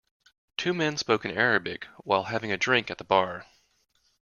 Two men spoke in Arabic while having a drink at the bar.